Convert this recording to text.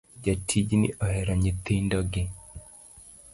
Jatijni ohero nyithindo gi